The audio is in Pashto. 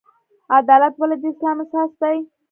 عدالت ولې د اسلام اساس دی؟